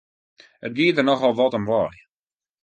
It gie der nochal wat om wei!